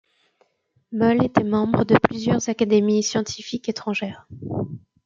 Moles était membre de plusieurs académies scientifiques étrangères.